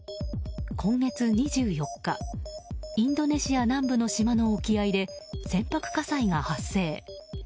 今月２４日インドネシア南部の島の沖合で船舶火災が発生。